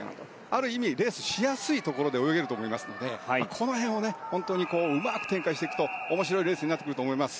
ある意味レースしやすいところで泳げると思いますのでこの辺をうまく展開していくと面白いレースになっていくと思います。